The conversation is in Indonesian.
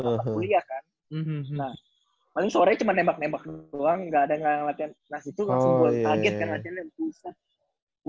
nah paling sore cuma nembak nembak doang gak ada yang latihan nah disitu langsung gue kaget kan latihannya buset